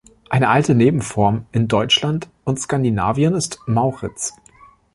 Eine alte Nebenform in Deutschland und Skandinavien ist "Mauritz".